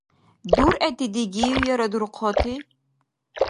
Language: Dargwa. Дургӏети дигив яра дурхъати?